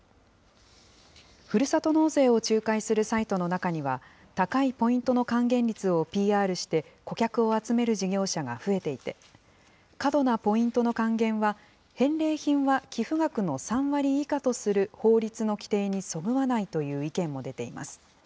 ふるさと納税を仲介するサイトの中には、高いポイントの還元率をＰＲして顧客を集める事業者が増えていて、過度なポイントの還元は、返礼品は寄付額の３割以下とする法律の規定にそぐわないという意見も出ています。